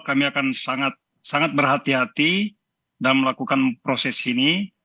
kami akan sangat berhati hati dan melakukan proses ini